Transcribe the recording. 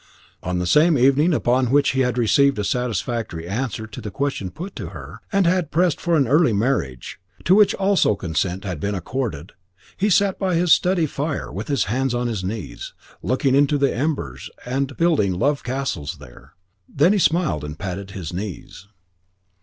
On the same evening upon which he had received a satisfactory answer to the question put to her, and had pressed for an early marriage, to which also consent had been accorded, he sat by his study fire, with his hands on his knees, looking into the embers and building love castles there. Then he smiled and patted his knees.